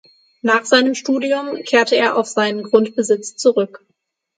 Nach seinem Studium kehrte er auf seinen Grundbesitz zurück.